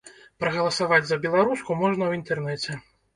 Прагаласаваць за беларуску можна ў інтэрнэце.